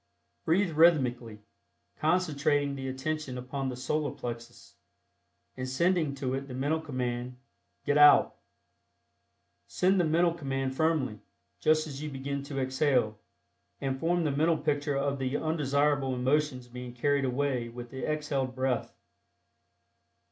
Breathe rhythmically, concentrating the attention upon the Solar Plexus, and sending to it the mental command "Get Out." Send the mental command firmly, just as you begin to exhale, and form the mental picture of the undesirable emotions being carried away with the exhaled breath.